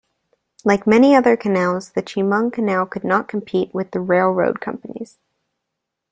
Like many other canals, the Chemung Canal could not compete with the railroad companies.